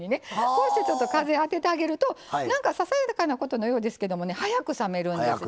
こうしてちょっと風当ててあげるとなんかささやかなことのようですけどもね早く冷めるんですね。